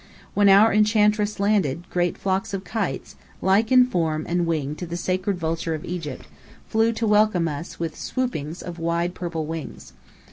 When our Enchantress landed, great flocks of kites, like in form and wing to the sacred vulture of Egypt, flew to welcome us with swoopings of wide purple wings.